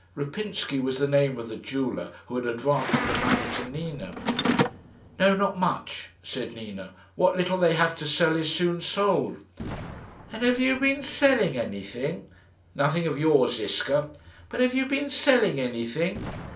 Rapinsky was the name of the jeweller who had advanced the money to Nina. "No, not much," said Nina. "What little they have to sell is soon sold." "And have you been selling anything?" "Nothing of yours, Ziska." "But have you been selling anything?"